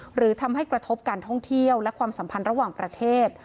หรือทำให้กระทบการท่องเที่ยวและความสัมพันธ์ระหว่างประเทศ